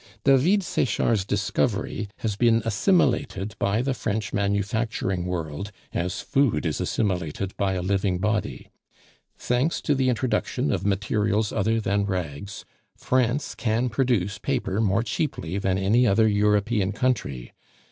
David Sechard's discovery has been assimilated by the French manufacturing world, as food is assimilated by a living body. Thanks to the introduction of materials other than rags, France can produce paper more cheaply than any other European country.